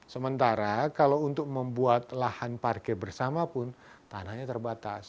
sementara kalau untuk membuat lahan parkir bersama pun tanahnya terbatas